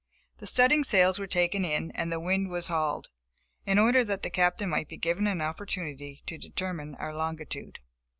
The studding sails were taken in, and the wind was hauled, in order that the Captain might be given an opportunity to determine our longitude.